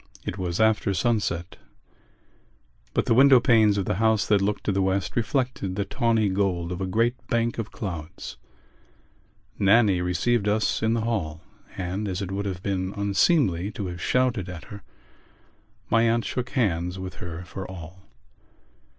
It was after sunset; but the window panes of the houses that looked to the west reflected the tawny gold of a great bank of clouds. Nannie received us in the hall; and, as it would have been unseemly to have shouted at her, my aunt shook hands with her for all.